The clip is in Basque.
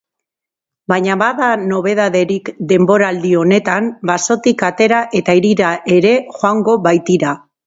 Baina bada nobedaderik denboraldi honetan, basotik atera eta hirira ere joango baitira.